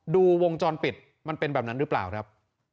วงจรปิดมันเป็นแบบนั้นหรือเปล่าครับ